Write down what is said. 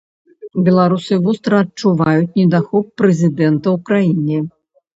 Беларусы востра адчуваюць недахоп прэзідэнта ў краіне.